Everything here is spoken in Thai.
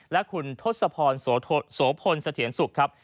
และคุณทศพรโสพลเสถียรสุขครับ